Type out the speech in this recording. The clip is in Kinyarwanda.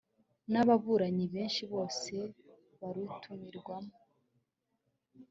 n ababuranyi benshi bose barutumirwamo